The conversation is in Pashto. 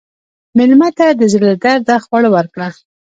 مېلمه ته د زړه له درده خواړه ورکړه.